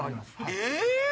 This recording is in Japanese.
え